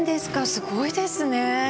すごいですね。